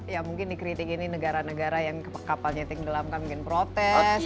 ya mungkin dikritik ini negara negara yang kapalnya tenggelamkan mungkin protes